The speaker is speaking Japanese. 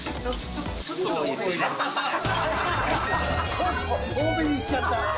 ちょっと多めにしちゃった。